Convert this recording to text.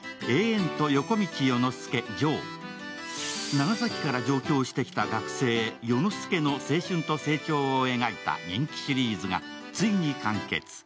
長崎から上京してきた学生、世之介の青春と成長を描いた人気シリーズがついに完結。